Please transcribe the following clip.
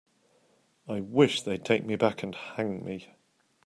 I wish they'd take me back and hang me.